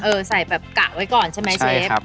เออใส่แบบกะไว้ก่อนใช่ไหมเชฟเชฟครับ